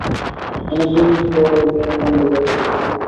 অনেক দিন পরে মেয়ের নাম ধরিয়া কাঁদিল।